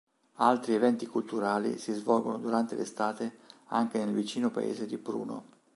Altri eventi culturali si svolgono durante l'estate anche nel vicino paese di Pruno.